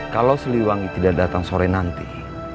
kalau siliwangi tidak datang sore nanti